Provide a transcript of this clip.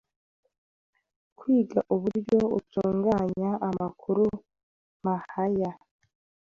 kwiga, uburyo utunganya amakuru mahya